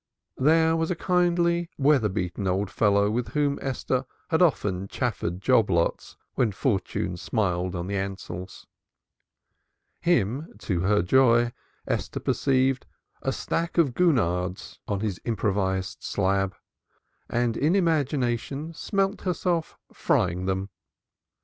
There was a kindly, weather beaten old fellow with whom Esther had often chaffered job lots when fortune smiled on the Ansells. Him, to her joy, Esther perceived she saw a stack of gurnards on his improvised slab, and in imagination smelt herself frying them.